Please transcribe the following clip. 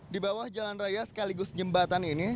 di bawah jalan raya sekaligus jembatan ini